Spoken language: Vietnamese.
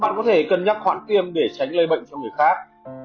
bạn có thể cân nhắc khoản tiêm để tránh lây bệnh cho người khác